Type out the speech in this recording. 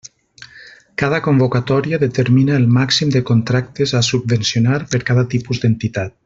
Cada convocatòria determina el màxim de contractes a subvencionar per a cada tipus d'entitat.